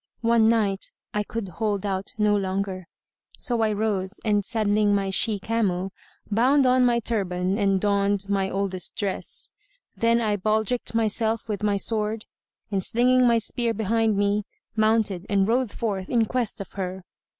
One night, I could hold out no longer; so I rose and saddling my she camel, bound on my turban and donned my oldest dress.[FN#129] Then I baldricked myself with my sword and slinging my spear behind me, mounted and rode forth in quest of her.